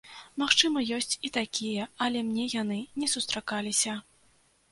Магчыма, ёсць і такія, але мне яны не сустракаліся.